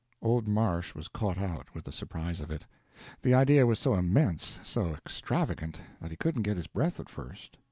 Old Marsh was caught out, with the surprise of it. The idea was so immense, so extravagant, that he couldn't get his breath at first.